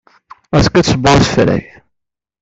Azekka ad tesbeɣ asefreg.